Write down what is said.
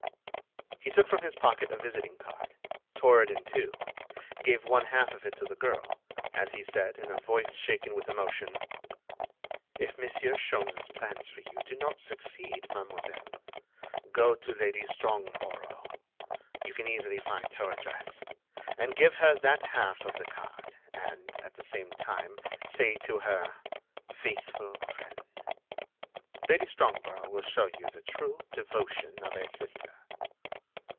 He took from his pocket a visiting card, tore it in two, gave one half of it to the girl, as he said, in a voice shaken with emotion: "If Monsieur Sholmes' plans for you do not succeed, mademoiselle, go to Lady Strongborough—you can easily find her address—and give her that half of the card, and, at the same time, say to her: Faithful friend. Lady Strongborough will show you the true devotion of a sister."